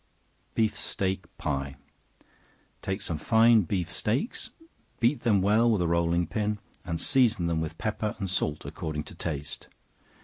Beef Steak Pie. Take some fine beef steaks, beat them well with a rolling pin, and season them with pepper and salt according to taste.